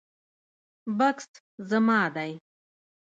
بکس زما دی